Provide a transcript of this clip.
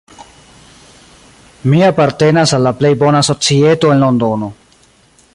Mi apartenas al la plej bona societo en Londono.